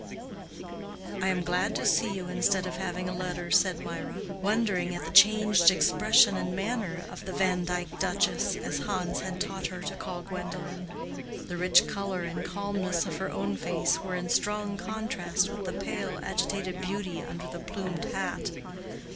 "I am glad to see you instead of having a letter," said Mirah, wondering at the changed expression and manner of the "Vandyke duchess," as Hans had taught her to call Gwendolen. The rich color and the calmness of her own face were in strong contrast with the pale agitated beauty under the plumed hat.